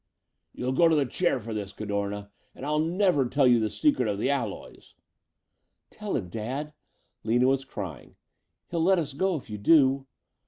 "You'll go to the chair for this, Cadorna. And I'll never tell you the secret of the alloys." "Tell him, Dad," Lina was crying. "He'll let us go if you do."